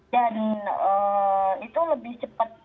dan itu lebih cepat